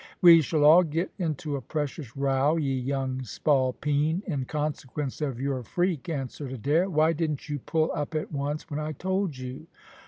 "We shall all get into a precious row, ye young spalpeen, in consequence of your freak," answered Adair. "Why didn't you pull up at once when I told you?"